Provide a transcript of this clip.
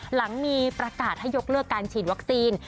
หลังมีประกาศให้ยกเลิกการฉีดวัคซีน